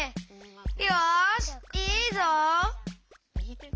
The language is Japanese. よしいいぞう！